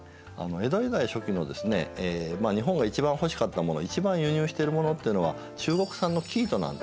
江戸時代初期のですね日本が一番欲しかったもの一番輸入しているものっていうのは中国産の生糸なんですね。